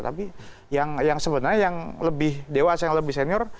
tapi yang sebenarnya yang lebih dewasa yang lebih senior